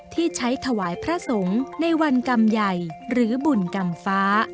ที่ใช้ถวายพระสงฆ์ในวันกรรมใหญ่หรือบุญกรรมฟ้า